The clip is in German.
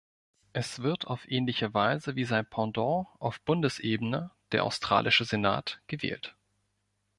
Es wird auf ähnliche Weise wie sein Pendant auf Bundesebene – der Australische Senat – gewählt.